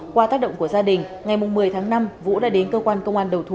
qua tác động của gia đình ngày một mươi tháng năm vũ đã đến cơ quan công an đầu thú